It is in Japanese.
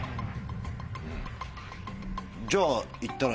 じゃあ。